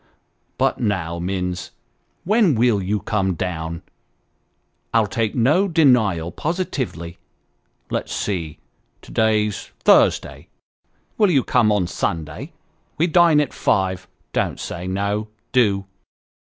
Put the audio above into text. But now, Minns, when will you come down ? I'll take no denial, positively. Let's see, to day's Thursday. Will you come on Sunday ? We dine at five, don't say no do."